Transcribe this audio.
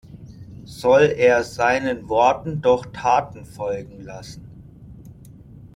Soll er seinen Worten doch Taten folgen lassen.